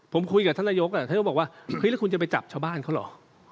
ผมคุยกับท่านนายกท่านนายกบอกว่าคุณจะไปจับชาวบ้านเขาเหรอ